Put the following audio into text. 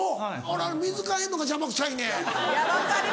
あれ水替えんのが邪魔くさいねん。